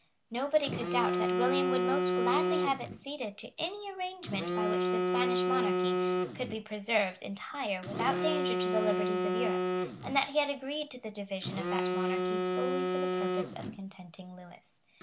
Nobody could doubt that William would most gladly have acceded to any arrangement by which the Spanish monarchy, could be preserved entire without danger to the liberties of Europe, and that he had agreed to the division of that monarchy solely for the purpose of contenting Lewis.